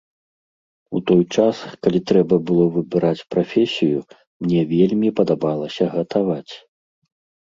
У той час, калі трэба было выбіраць прафесію, мне вельмі падабалася гатаваць.